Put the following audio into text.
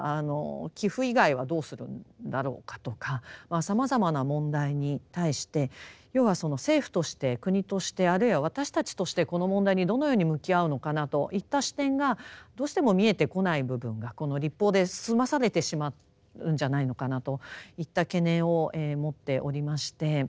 寄附以外はどうするんだろうかとかさまざまな問題に対して要はその政府として国としてあるいは私たちとしてこの問題にどのように向き合うのかなといった視点がどうしても見えてこない部分がこの立法で済まされてしまうんじゃないのかなといった懸念を持っておりまして。